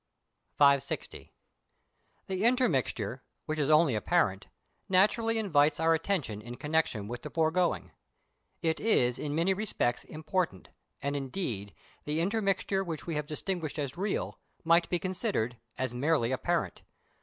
560. The intermixture, which is only apparent, naturally invites our attention in connexion with the foregoing; it is in many respects important, and, indeed, the intermixture which we have distinguished as real, might be considered as merely apparent.